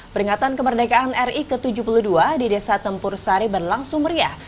peringatan kemerdekaan ri ke tujuh puluh dua di desa tempur sari berlangsung meriah